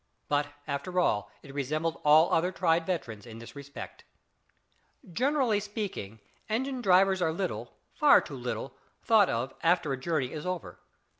But, after all, it resembled all other tried veterans in this respect. Generally speaking, engine drivers are little far too little thought of after a journey is over.